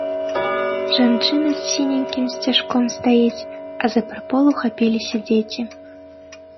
Жанчына з сіненькім сцяжком стаіць, а за прыпол ухапіліся дзеці.